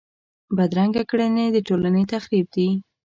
بدرنګه کړنې د ټولنې تخریب دي